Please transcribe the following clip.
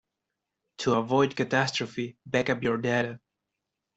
To avoid catastrophe, backup your data.